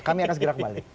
kami akan segera kembali